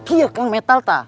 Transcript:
iya kang metal ta